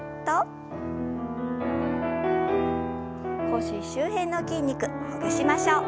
腰周辺の筋肉ほぐしましょう。